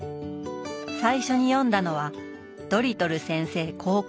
最初に読んだのは「ドリトル先生航海記」。